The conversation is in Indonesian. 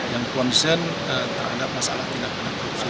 yang konsen terhadap masalah tidak pernah korupsi